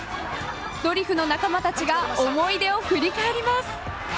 ドリフの仲間たちが思い出を振り返ります！